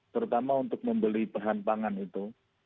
terutama untuk membeli bahan pangan itu